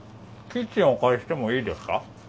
キッチンをお借りしてもいいですか？